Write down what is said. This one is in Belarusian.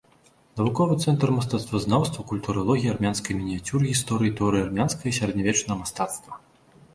Навуковы цэнтр мастацтвазнаўства, культуралогіі, армянскай мініяцюры, гісторыі і тэорыі армянскага і сярэднявечнага мастацтва.